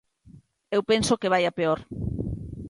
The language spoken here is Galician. Eu penso que vai a peor.